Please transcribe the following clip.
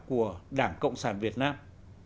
của đảng cộng sản việt nam